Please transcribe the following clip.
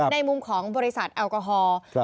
ในมุมของบริษัทแอลกอฮอล์